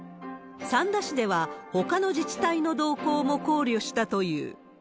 三田市では、ほかの自治体の動向も考慮したという。